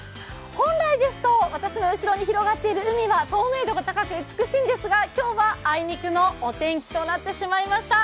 本来ですと私の後ろに広がっている海は透明度が高く美しいんですが今日はあいにくのお天気となってしまいました。